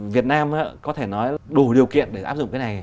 việt nam có thể nói đủ điều kiện để áp dụng cái này